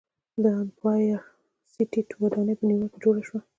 د ایمپایر سټیټ ودانۍ په نیویارک کې جوړه شوه.